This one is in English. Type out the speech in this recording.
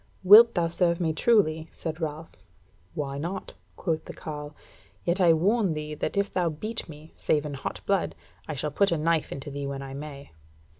"Wilt thou serve me truly?" said Ralph. "Why not?" quoth the carle: "yet I warn thee that if thou beat me, save in hot blood, I shall put a knife into thee when I may."